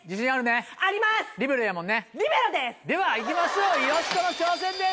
では行きましょうよしこの挑戦です！